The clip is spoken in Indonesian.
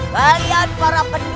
bayan para penduduk